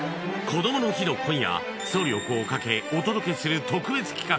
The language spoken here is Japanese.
こどもの日の今夜総力をかけお届けする特別企画